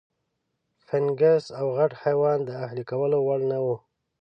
فنګس او غټ حیوانات د اهلي کولو وړ نه وو.